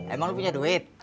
emang lu punya duit